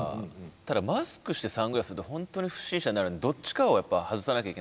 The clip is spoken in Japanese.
ただマスクしてサングラスだと本当に不審者になるんでどっちかをやっぱ外さなきゃいけないじゃないですか。